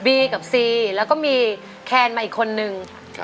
กับซีแล้วก็มีแคนมาอีกคนนึง